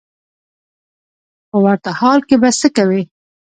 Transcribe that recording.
په ورته حال کې به څه کوې.